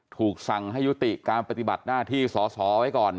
ถูกสั่งให้ยุติการปฏิบัติหน้าที่สอสอไว้ก่อน